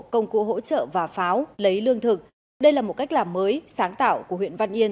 công cụ hỗ trợ và pháo lấy lương thực đây là một cách làm mới sáng tạo của huyện văn yên